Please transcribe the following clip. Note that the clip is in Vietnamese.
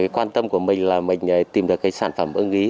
quan tâm của mình là mình tìm được sản phẩm ứng ý